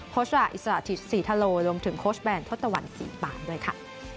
โคชวะอิสระธิสีทะโลรวมถึงโคชแบรนด์ทศตวรรษ๔บาทด้วยค่ะ